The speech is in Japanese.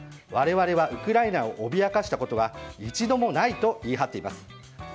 我々はウクライナを脅かしたことは一度もないと言い張っています。